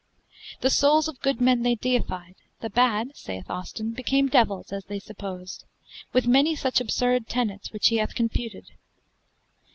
The souls of good men they deified; the bad (saith Austin) became devils, as they supposed; with many such absurd tenets, which he hath confuted.